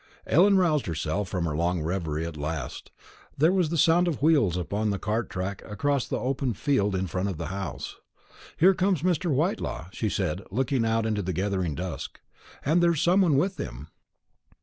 Ellen roused herself from her long reverie at last. There was the sound of wheels upon the cart track across the wide open field in front of the house. "Here comes Mr. Whitelaw," she said, looking out into the gathering dusk; "and there's some one with him."